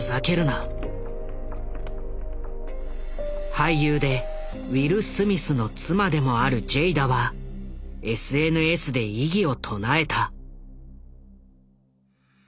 俳優でウィル・スミスの妻でもあるジェイダはＳＮＳで異議を唱えた。